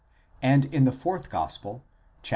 and in the fourth gospel (xiii.